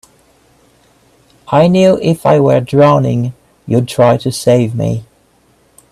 I knew if I were drowning you'd try to save me.